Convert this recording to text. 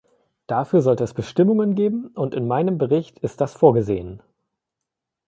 Dafür sollte es Bestimmungen geben, und in meinem Bericht ist das vorgesehen.